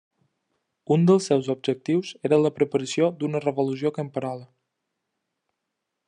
Un dels seus objectius era la preparació d'una revolució camperola.